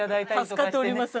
助かっております。